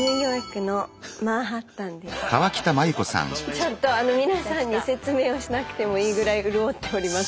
ちょっと皆さんに説明をしなくてもいいぐらい潤っております。